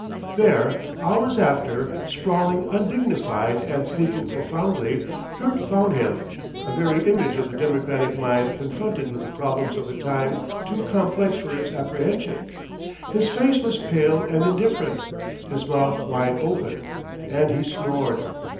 There, hours after, sprawling undignified and sleeping profoundly, Kurt found him, a very image of the democratic mind confronted with the problems of a time too complex for its apprehension. His face was pale and indifferent, his mouth wide open, and he snored.